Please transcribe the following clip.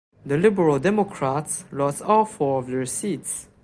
The Liberal Democrats lost all four of their seats.